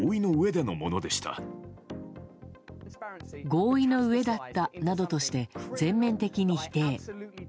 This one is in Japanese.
合意の上だったなどとして全面的に否定。